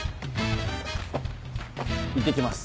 いってきます。